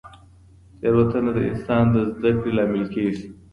تېروتنه د انسان د زده کړې لامل کیږي.